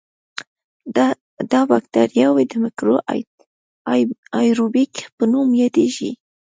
دا بکټریاوې د میکرو آئیروبیک په نوم یادیږي.